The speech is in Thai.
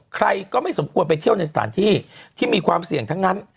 ใครก็ไม่สมควรไปเที่ยวในสถานที่ที่มีความเสี่ยงทั้งนั้น